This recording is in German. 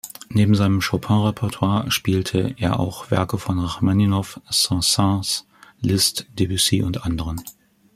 Neben seinem Chopin-Repertoire spielte er auch Werke von Rachmaninoff, Saint-Saens, Liszt, Debussy und anderen.